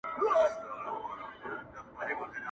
چي ډزي نه وي توري نه وي حادثې مو وهي -